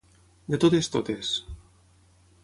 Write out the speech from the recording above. De totes totes.